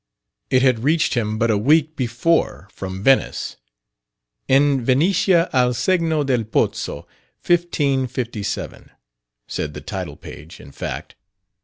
It had reached him but a week before from Venice, "in Venetia, al segno del Pozzo, MDLVII," said the title page, in fact.